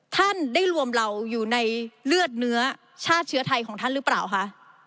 ท่านได้รวมเราอยู่ในเลือดเนื้อชาติเชื้อไทยของท่านหรือเปล่าคะ